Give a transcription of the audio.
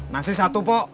masih satu pok